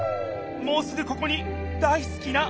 もうすぐここに大すきな